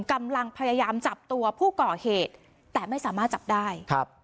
กำลังพยายามจับตัวผู้ก่อเหตุแต่ไม่สามารถจับได้ครับ